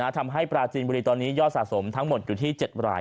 ทำให้ปราจีนบุรีตอนนี้ยอดสะสมทั้งหมดอยู่ที่๗ราย